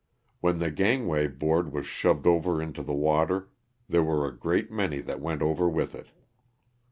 When the gangway board was shoved over into the water there were a great many that went over with it.